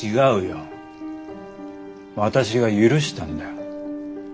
私が許したんだよ。